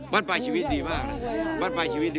บ้านปลายชีวิตดีมากนะ